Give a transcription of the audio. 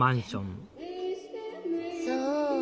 そう。